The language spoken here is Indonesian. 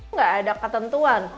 tidak ada ketentuan